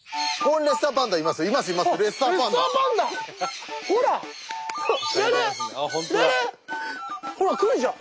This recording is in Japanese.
ルル！ほら来るじゃん。